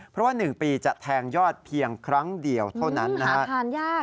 เพราะว่า๑ปีจะแทงยอดเพียงครั้งเดียวเท่านั้นนะฮะทานยาก